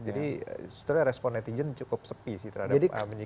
jadi sebetulnya respon netizen cukup sepi sih terhadap menyikapnya